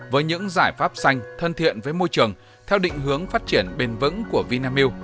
với những giải pháp xanh thân thiện với môi trường theo định hướng phát triển bền vững của vinamilk